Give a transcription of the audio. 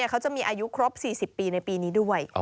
เขาจะมีอายุครบ๔๐ปีในปีนี้ด้วย